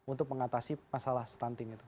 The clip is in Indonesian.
untuk mengatasi masalah stunting itu